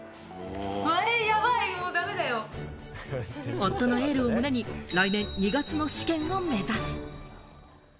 夫のエールを胸に来年２月の試験を目指す。